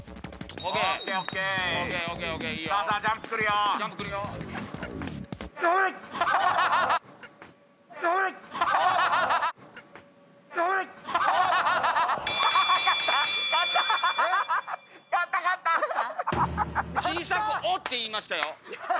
小さく「おっ」って言いましたよ。